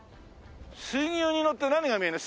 水牛に乗って何が見えるの？